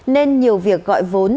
nên nhiều việc gọi vốn